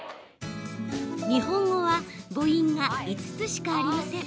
日本語は母音が５つしかありません。